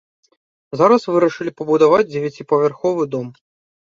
Зараз вырашылі пабудаваць дзевяціпавярховы дом.